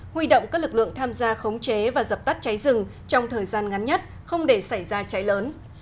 huy động các lực lượng tham gia khống chế và dập tắt cháy rừng trong thời gian ngắn nhất không để xảy ra cháy lớn